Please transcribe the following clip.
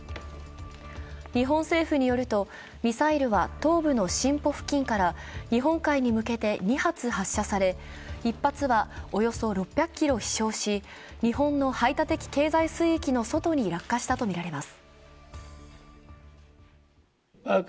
日本政府によるとミサイルは東部のシンポ付近から日本海に向けて２発発射され、１発はおよそ６００ｋｍ飛翔し、日本の排他的経済水域の外に落下したとみられます。